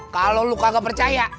kalo lu kagak percaya